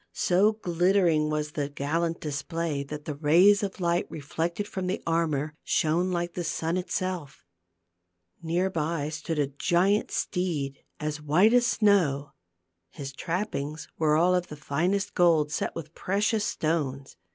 So glittering was the gallant display that the rays of light reflected from the armor, shone like the sun itself. Near by stood a giant steed as white as snow. His trappings were all of the finest gold, set with precious stones.